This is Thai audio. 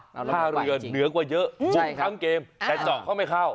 ท่าเรือเหนือกว่าเยอะบุกทั้งเกมแต่เจาะเขาไม่เข้า